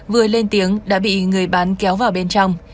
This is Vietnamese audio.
vừa lên tiếng đã bị người bán kéo vào bên trong